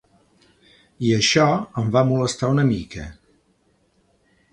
I això em va molestar una mica.